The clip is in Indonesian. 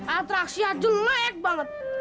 atraksi hajul naik banget